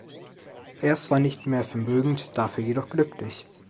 Er ist zwar nicht mehr vermögend, dafür jedoch glücklich.